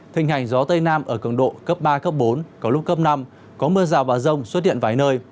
thình hành gió tây nam ở cường độ cấp ba bốn có lúc cấp năm có mưa rào và rông xuất hiện vái nơi